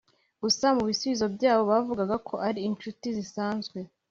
gusa mu bisubizo byabo bavugaga ko ari inshuti zisanzwe